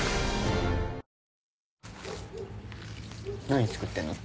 何作ってんの？